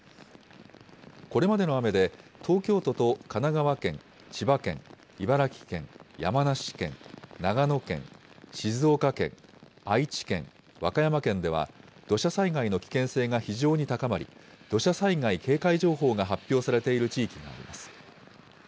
これまでの雨で、東京都と神奈川県、千葉県、茨城県、山梨県、長野県、静岡県、愛知県、和歌山県では、土砂災害の危険性が非常に高まり、土砂災害警戒情報が発表されている地域があります。